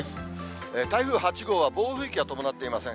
台風８号は、暴風域は伴っていません。